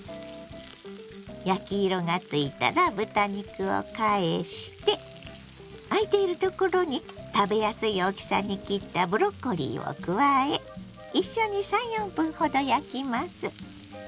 焼き色がついたら豚肉を返してあいているところに食べやすい大きさに切ったブロッコリーを加え一緒に３４分ほど焼きます。